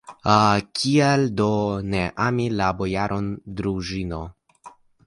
Kial do ne ami la bojaron Druĵino?